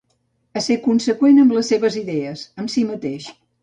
Ésser conseqüent amb les seves idees, amb si mateix.